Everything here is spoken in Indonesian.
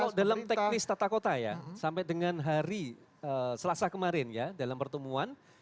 kalau dalam teknis tata kota ya sampai dengan hari selasa kemarin ya dalam pertemuan